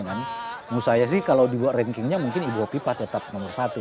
menurut saya kalau dibuat rankingnya mungkin ibu hopi pak tetap nomor satu